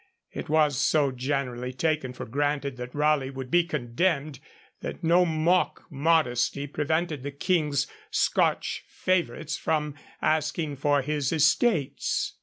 It was so generally taken for granted that Raleigh would be condemned, that no mock modesty prevented the King's Scotch favourites from asking for his estates.